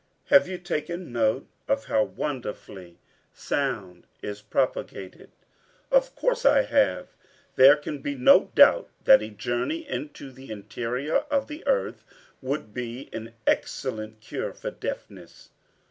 Have you taken note of how wonderfully sound is propagated?" "Of course I have. There can be no doubt that a journey into the interior of the earth would be an excellent cure for deafness."